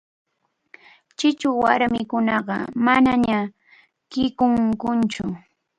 Chichu warmikunaqa manaña kʼikunkuchu.